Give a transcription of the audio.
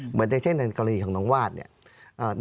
เหมือนในเช่นกรณีของน้องวาด